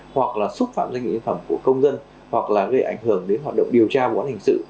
hoặc là xúc phạm doanh nghiệp phẩm của công dân hoặc là gây ảnh hưởng đến hoạt động điều tra vụ án hình sự